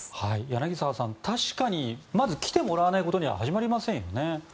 柳澤さん、確かにまず来てもらわないことには始まりませんよね。